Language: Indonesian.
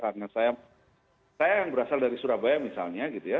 karena saya yang berasal dari surabaya misalnya gitu ya